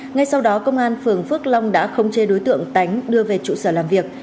ngay sau đó công an phường phước long đã không chê đối tượng tánh đưa về trụ sở làm việc